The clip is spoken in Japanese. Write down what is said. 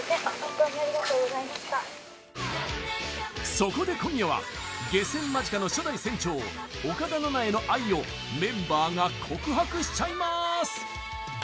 そこで、今夜は下船間近の初代船長岡田奈々への愛をメンバーが告白しちゃいまーす！